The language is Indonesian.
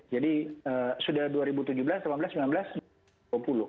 jadi sudah dua ribu tujuh belas dua ribu delapan belas dua ribu sembilan belas dua ribu dua puluh